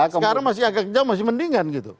sekarang masih agak jauh masih mendingan gitu